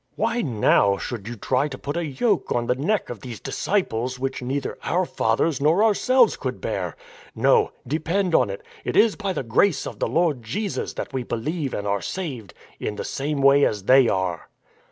" Why now should you try to put a yoke on the neck of these disciples which neither our fathers ripr ourselves could bear? " No, depend upon it, it is by the grace of the Lord Jesus that we believe and are saved, in the same way as they are."